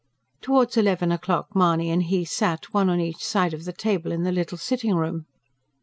Towards eleven o'clock Mahony and he sat, one on each side of the table, in the little sitting room.